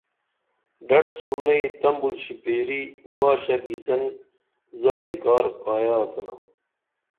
ڈٹ سُرنئی تمبُل شِپیری واشہ گِسن زادی کار کایہ آڅِنا